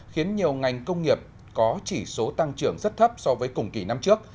khiến nhiều ngành công nghiệp có chỉ số tăng trưởng rất thấp so với cùng kỳ năm trước